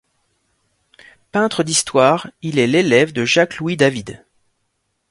Peintre d'histoire, il est l'élève de Jacques-Louis David.